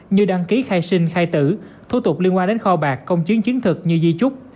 như đăng ký khai sinh khai tử thu tục liên quan đến kho bạc công chứng chiến thực như di chúc